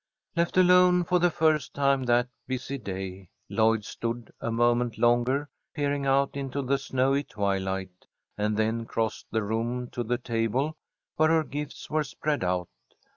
Left alone for the first time that busy day, Lloyd stood a moment longer peering out into the snowy twilight, and then crossed the room to the table where her gifts were spread out.